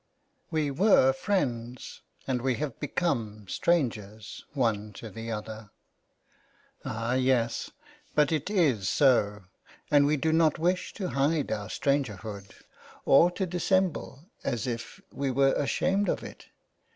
" We were friends and we have become strangers " one to the other. Ah, yes ; but it is so, and we do " not wish to hide our strangerhood, or to dis *' semble as if we were ashamed of it.